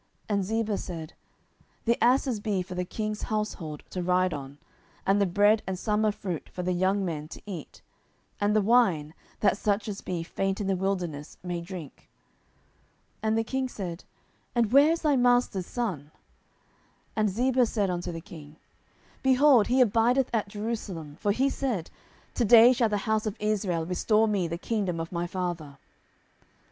And Ziba said, The asses be for the king's household to ride on; and the bread and summer fruit for the young men to eat; and the wine, that such as be faint in the wilderness may drink. 10:016:003 And the king said, And where is thy master's son? And Ziba said unto the king, Behold, he abideth at Jerusalem: for he said, To day shall the house of Israel restore me the kingdom of my father.